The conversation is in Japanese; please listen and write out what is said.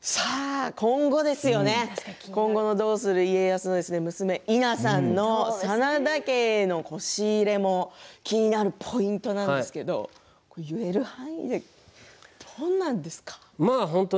今後「どうする家康」娘、稲さんの真田家へのこし入れも気になるポイントなんですけど言える範囲でどうなんですか。